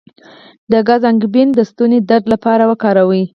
د ګز انګبین د ستوني د درد لپاره وکاروئ